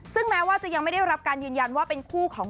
ซึ่งแม้ว่าจะยังไม่ได้รับการยืนยันว่าเป็นคู่ของ